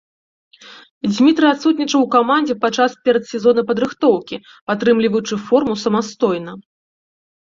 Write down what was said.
Дзмітрый адсутнічаў у камандзе падчас перадсезоннай падрыхтоўкі, падтрымліваючы форму самастойна.